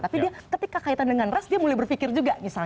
tapi dia ketika kaitan dengan ras dia mulai berpikir juga misalnya